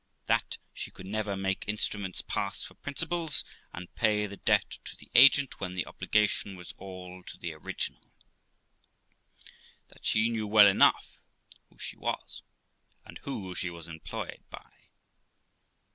That she could never make instruments pass for principals, and pay the debt to the agent when the obligation was all to the original. That she knew well enough who she was, and who she was employed by.